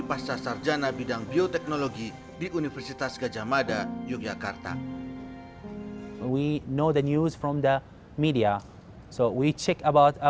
pasca sarjana bidang bioteknologi di universitas gajah mada yogyakarta